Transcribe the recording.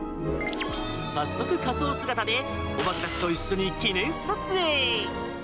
早速、仮装姿でお化けたちと一緒に記念撮影。